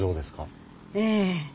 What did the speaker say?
ええ。